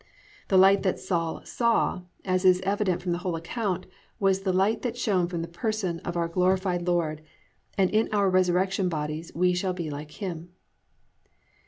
"+ The light that Saul saw, as is evident from the whole account, was the light that shone from the person of our glorified Lord, and in our resurrection bodies we shall be like Him.